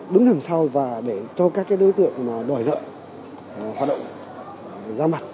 đứng đằng sau và để cho các cái đối tượng mà đòi nợ hoạt động ra mặt